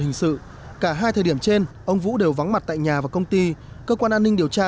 hình sự cả hai thời điểm trên ông vũ đều vắng mặt tại nhà và công ty cơ quan an ninh điều tra